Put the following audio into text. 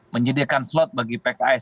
menyediakan slot bagi pks